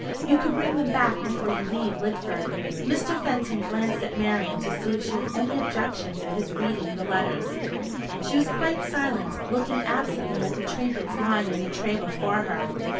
You can bring them back before you leave Lidford." Mr. Fenton glanced at Marian to see if she had any objection to his reading the letters. She was quite silent, looking absently at the trinkets lying in the tray before her.